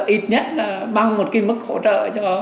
ít nhất là bằng một cái mức hỗ trợ